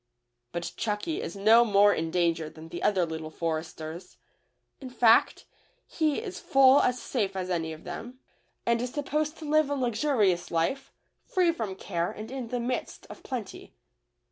But Chucky is no more in danger than the other Little Foresters ; in fact, he is full as safe A LIFE OF FEAR. 23 as any of them, and is supposed to live a luxu rious life, free from care and in the midst of plenty.